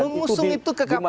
mengusung itu ke kpu pak mas